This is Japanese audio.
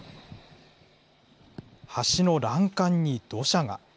橋の欄干に土砂が。